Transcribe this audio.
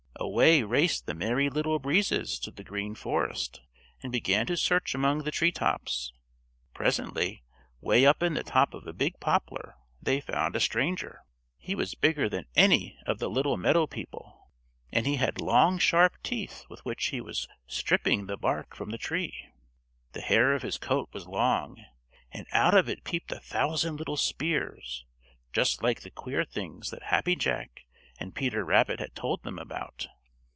Away raced the Merry Little Breezes to the Green Forest and began to search among the treetops. Presently, way up in the top of a big poplar, they found a stranger. He was bigger than any of the little meadow people, and he had long sharp teeth with which he was stripping the bark from the tree. The hair of his coat was long, and out of it peeped a thousand little spears just like the queer things that Happy Jack and Peter Rabbit had told them about.